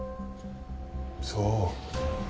そう。